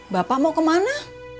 bapak mau kemana